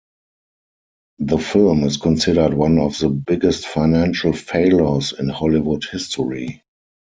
The film is considered one of the biggest financial failures in Hollywood history.